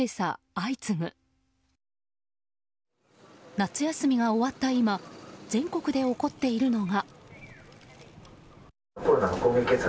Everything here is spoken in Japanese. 夏休みが終わった今全国で起こっているのが。